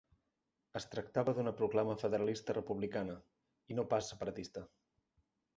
Es tractava d'una proclama federalista republicana, i no pas separatista.